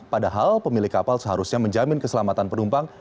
padahal pemilik kapal seharusnya menjamin keselamatan penumpang